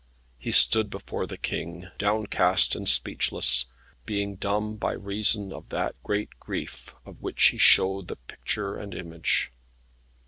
He stood before the King, downcast and speechless, being dumb by reason of that great grief, of which he showed the picture and image.